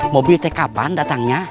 mobil teh kapan datangnya